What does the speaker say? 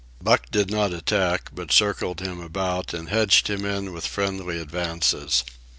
Buck did not attack, but circled him about and hedged him in with friendly advances.